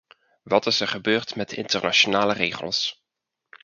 Wat is er gebeurd met de internationale regels?